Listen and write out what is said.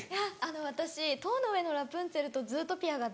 私『塔の上のラプンツェル』と『ズートピア』が大好きで。